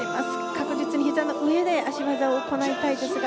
確実にひざの上で脚技を行いたいですが。